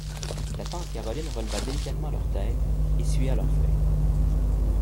La tante Caroline releva délicatement leurs têtes, essuya leurs feuilles.